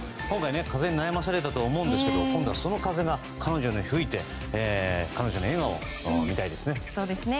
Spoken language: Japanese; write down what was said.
今回、風に悩まされたと思うんですが今度はその風が彼女に吹いて彼女の笑顔を見たいですね。